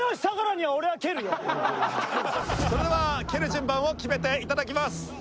それでは蹴る順番を決めていただきます。